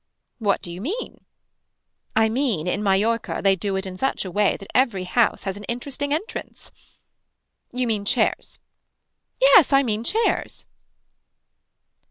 What do you mean. I mean in Mallorca they do it in such a way that every house has an interesting entrance. You mean chairs. Yes I mean chairs.